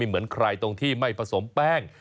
เหมือนใครตรงที่ไม่ผสมแป้ง